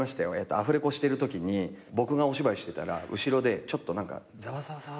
アフレコしてるときに僕がお芝居してたら後ろでちょっとざわざわって。